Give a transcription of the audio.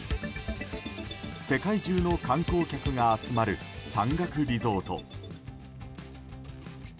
世界中の観光客が集まる山岳リゾート。